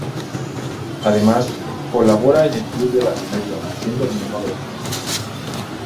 Además, colabora en "El club de la comedia" haciendo monólogos.